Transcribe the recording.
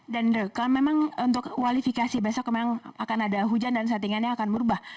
dan ruka memang untuk kualifikasi besok memang akan ada hujan dan settingannya akan berubah